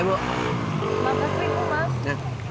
makasih bu mas